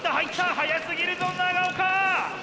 速すぎるぞ長岡！